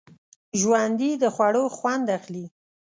ژوندي د خوړو خوند اخلي